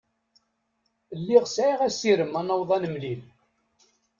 Lliɣ sɛiɣ asirem ad nɛawed ad nemlil.